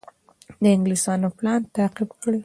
د انګلیسیانو پلان تعقیب کړي.